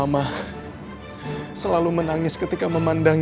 mama selalu menangis ketika memandang